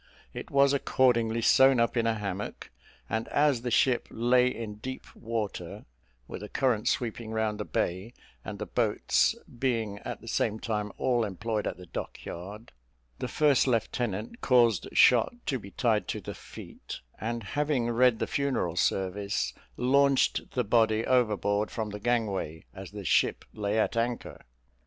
It was accordingly sewn up in a hammock; and as the ship lay in deep water, with a current sweeping round the bay, and the boats being at the same time all employed at the dockyard, the first lieutenant caused shot to be tied to the feet, and, having read the funeral service, launched the body overboard from the gangway, as the ship lay at anchor.